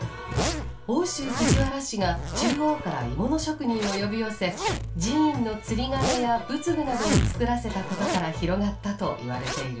奥州藤原氏が中央から鋳物職人を呼び寄せ寺院の釣り鐘や仏具などを作らせたことから広がったといわれている。